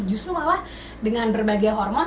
justru malah dengan berbagai hormat